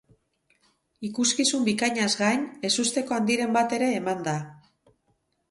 Ikuskizun bikainaz gain, ezusteko handiren bat ere eman da.